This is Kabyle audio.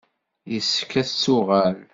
Yessefk ad d-tuɣal.